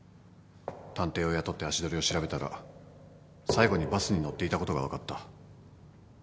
探偵を雇って足取りを調べたら最後にバスに乗っていたことが分かった。